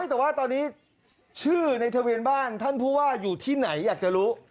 แต่ว่าตอนนี้ชื่อในทะเบียนบ้านท่านผู้ว่าอยู่ที่ไหนอยากจะรู้